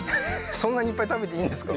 そんなにいっぱい食べていいんですか？